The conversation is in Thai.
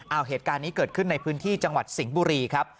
เอาเหตุการณ์นี้เกิดขึ้นในพื้นที่จังหวัดสิงห์บุรีครับ